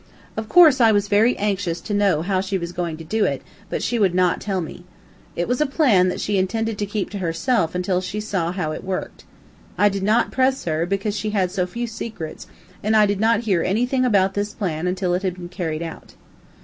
Of course I was very anxious to know how she was going to do it, but she would not tell me. It was a plan that she intended to keep to herself until she saw how it worked. I did not press her, because she had so few secrets, and I did not hear anything about this plan until it had been carried out.